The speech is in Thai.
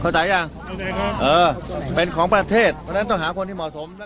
ยังเข้าใจครับเออเป็นของประเทศเพราะฉะนั้นต้องหาคนที่เหมาะสมแล้ว